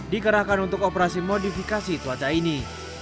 dikerahkan untuk operasi modifikasi cuaca ini